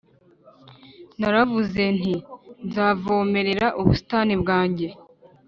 Naravuze nti «Nzavomerera ubusitani bwanjye,